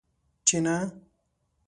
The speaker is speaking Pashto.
چې نه!